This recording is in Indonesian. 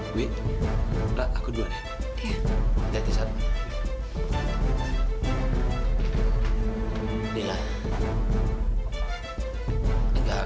gue ingin peduli dulu tentang nama lu